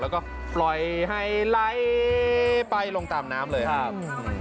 แล้วก็ปล่อยให้ไหลไปลงตามน้ำเลยครับ